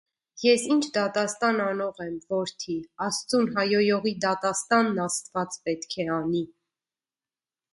- Ես ի՞նչ դատաստան անող եմ, որդի, աստծուն հայհոյողի դատաստանն աստված պետք է անի: